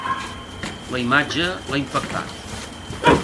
La imatge l'ha impactat.